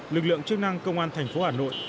lực lượng chức năng công an thành phố hà nội